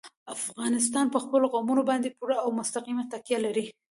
افغانستان په خپلو قومونه باندې پوره او مستقیمه تکیه لري.